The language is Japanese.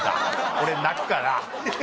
俺泣くから。